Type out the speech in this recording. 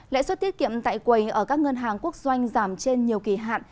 lãi suất tiết kiệm tại quầy ở các ngân hàng quốc doanh giảm trên nhiều kỳ hạn